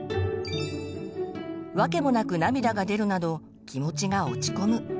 わけもなく涙が出るなど気持ちが落ち込む。